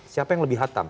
siapa yang lebih hatam